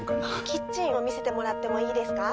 キッチンを見せてもらってもいいですか？